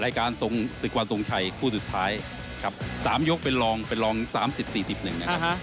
รายการสงสิกวันสงชัยคู่สุดท้ายครับสามยกเป็นรองเป็นรองสามสิบสี่สิบหนึ่งนะครับอ่า